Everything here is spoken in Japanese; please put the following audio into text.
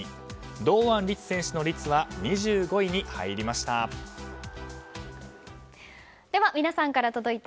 堂安律選手の律は２５位に入りました。